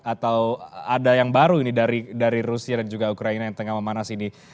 atau ada yang baru ini dari rusia dan juga ukraina yang tengah memanas ini